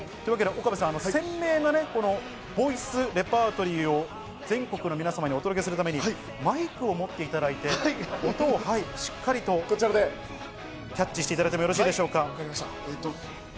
鮮明なボイスレパートリーを全国の皆様にお届けするために、マイクを持っていただいて音をしっかりとキャッチしていただいても、よろしいでしょうか？